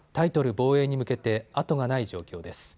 防衛に向けて後がない状況です。